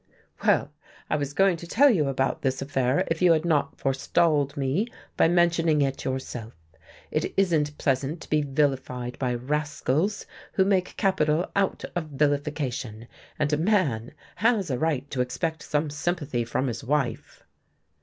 "Well, I was going to tell you about this affair if you had not forestalled me by mentioning it yourself. It isn't pleasant to be vilified by rascals who make capital out of vilification, and a man has a right to expect some sympathy from his wife."